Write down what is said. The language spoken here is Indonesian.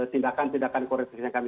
tindakan tindakan korektifnya kami